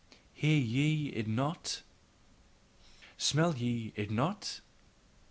Hear ye it not? Smell ye it not?